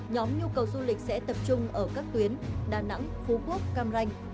nhóm nhu cầu du lịch sẽ tập trung ở các tuyến đà nẵng phú quốc cam ranh